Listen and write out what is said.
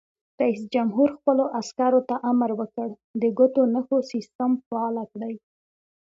رئیس جمهور خپلو عسکرو ته امر وکړ؛ د ګوتو نښو سیسټم فعال کړئ!